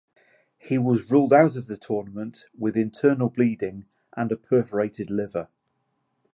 He was ruled out of the tournament with internal bleeding and a perforated liver.